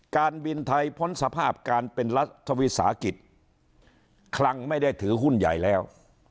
การบินไทยพ้นสภาพการเป็นรัฐวิสาหกิจคลังไม่ได้ถือหุ้นใหญ่แล้ว